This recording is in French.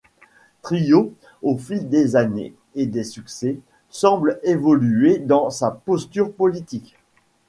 Tryo, au fil des années et des succès, semble évoluer dans sa posture politique.